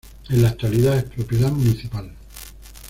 En la actualidad, es propiedad municipal.